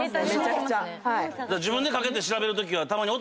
自分でかけて調べるときは。